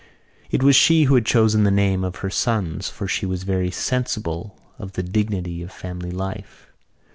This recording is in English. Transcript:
It was she who had chosen the name of her sons for she was very sensible of the dignity of family life.